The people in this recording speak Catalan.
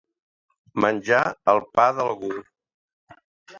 Menjar el pa d'algú.